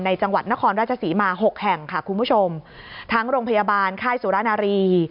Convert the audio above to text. จังหวัดนครราชศรีมาหกแห่งค่ะคุณผู้ชมทั้งโรงพยาบาลค่ายสุรณารี